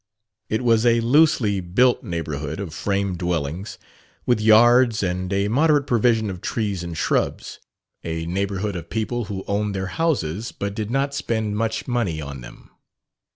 It was a loosely built neighborhood of frame dwellings, with yards and a moderate provision of trees and shrubs a neighborhood of people who owned their houses but did not spend much money on them.